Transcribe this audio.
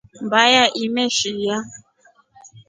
Mbaya imeshiya.